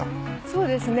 そうですね。